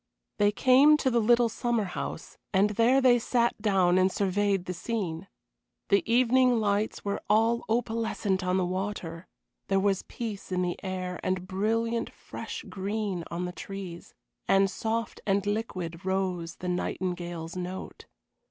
They came to the little summer house, and there they sat down and surveyed the scene. The evening lights were all opalescent on the water, there was peace in the air and brilliant fresh green on the trees, and soft and liquid rose the nightingale's note.